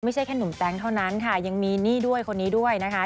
ไม่ใช่แค่หนุ่มแต๊งเท่านั้นค่ะยังมีหนี้ด้วยคนนี้ด้วยนะคะ